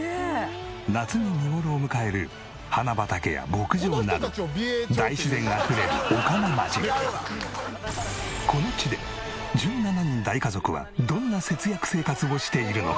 夏に見頃を迎える花畑や牧場などこの地で１７人大家族はどんな節約生活をしているのか？